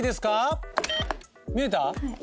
見えた？